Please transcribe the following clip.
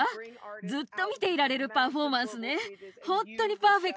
ずっと見ていられるパフォーマンスね。